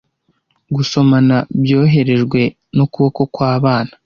gusomana byoherejwe n'ukuboko kw'abana